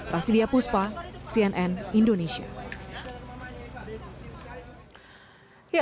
rasidiyah puspa cnn indonesia